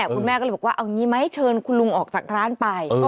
คุณแม่ก็เลยบอกว่าเอางี้ไหมเชิญคุณลุงออกจากร้านไป